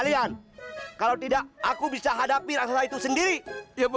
sampai jumpa di video selanjutnya